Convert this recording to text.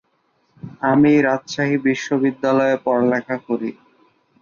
আমি রাজশাহী বিশ্ববিদ্যালয়ে পড়ালেখা করি।